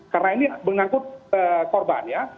karena ini mengangkut korban ya